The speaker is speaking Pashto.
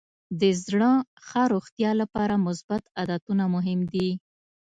د زړه ښه روغتیا لپاره مثبت عادتونه مهم دي.